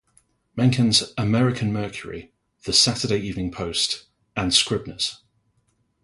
Mencken's "American Mercury", the "Saturday Evening Post" and "Scribner's".